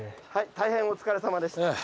大変お疲れさまでした。